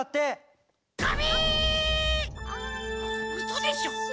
うそでしょ？